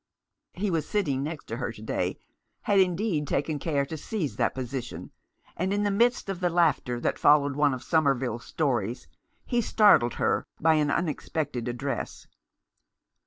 He was sitting next her to day, had indeed taken care to seize that position, and in the midst of the laughter that followed one of Somerville's stories, he startled her by an unexpected address.